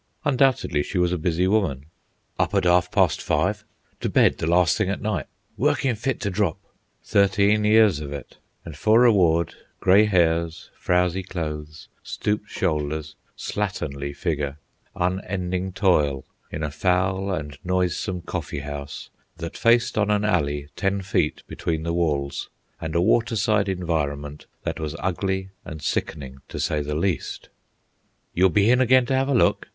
Undoubtedly she was a busy woman. "Up at half past five," "to bed the last thing at night," "workin' fit ter drop," thirteen years of it, and for reward, grey hairs, frowzy clothes, stooped shoulders, slatternly figure, unending toil in a foul and noisome coffee house that faced on an alley ten feet between the walls, and a waterside environment that was ugly and sickening, to say the least. "You'll be hin hagain to 'ave a look?"